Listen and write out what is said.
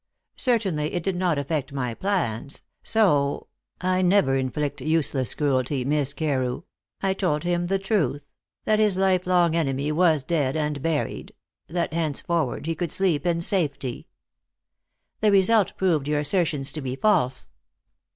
Certainly, it did not affect my plans, so I never inflict useless cruelty, Miss Carew I told him the truth: that his lifelong enemy was dead and buried; that henceforward he could sleep in safety." "The result proved your assertions to be false."